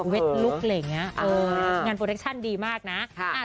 เว็ดลูกอะไรอย่างเงี้ยเอองานโปรเทคชั่นดีมากนะค่ะอ่า